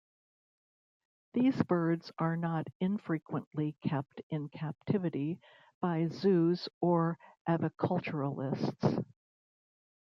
These birds are not infrequently kept in captivity by zoos or aviculturalists.